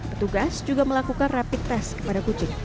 petugas juga melakukan rapid test kepada kucing